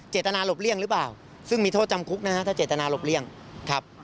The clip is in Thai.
หลบเลี่ยงหรือเปล่าซึ่งมีโทษจำคุกนะฮะถ้าเจตนาหลบเลี่ยงครับ